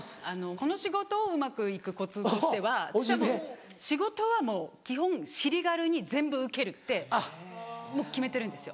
この仕事をうまく行くコツとしては私はもう仕事はもう基本尻軽に全部受けるってもう決めてるんですよ。